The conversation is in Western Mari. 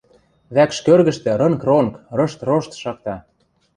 Вӓкш кӧргӹштӹ рынг-ронг, рышт-рошт шакта.